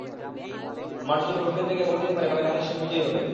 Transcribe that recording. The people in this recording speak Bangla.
মানুষ যদি ভোটকেন্দ্রে গিয়ে ভোট দিতে পারেন, তবে ধানের শীষ বিজয়ী হবে।